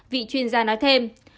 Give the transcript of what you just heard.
vị chuyên gia nói thêm